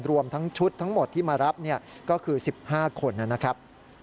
รวมทั้งชุดทั้งหมดที่มารับก็คือ๑๕คนนะครับ